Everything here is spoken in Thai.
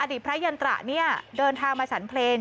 อดีตพระยันตระนี่เดินทางมาฉันเพลง